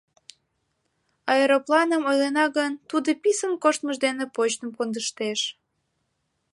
Аэропланым ойлена гын, тудо писын коштмыж дене почтым кондыштеш.